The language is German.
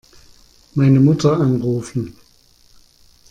Meine Mutter anrufen.